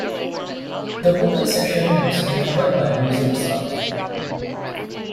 The broken section was recovered by museum staff.